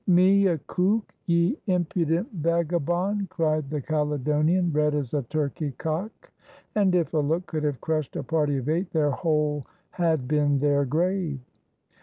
"Me a cuik, y' impudent vagabond!" cried the Caledonian, red as a turkey cock; and, if a look could have crushed a party of eight, their hole had been their grave.